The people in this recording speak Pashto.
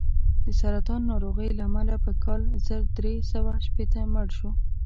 د سرطان ناروغۍ له امله په کال زر درې سوه شپېته مړ شو.